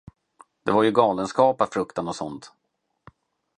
Det var ju galenskap att frukta något sådant.